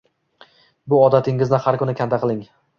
Bu odatingizni har kuni kanda qiling.